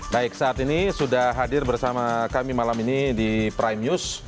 baik saat ini sudah hadir bersama kami malam ini di prime news